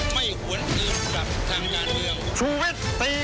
ไม่หวนอินกลับทางยาลัยเอียง